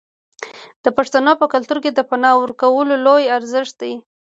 د پښتنو په کلتور کې د پنا ورکول لوی ارزښت دی.